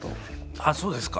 あっそうですか？